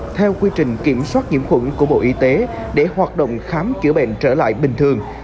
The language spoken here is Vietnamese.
trong tuần này bệnh viện phổi đã đặt một bộ trình kiểm soát nhiễm khuẩn của bộ y tế để hoạt động khám chữa bệnh trở lại bình thường